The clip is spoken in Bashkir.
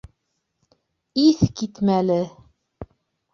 Иҫ китмәле!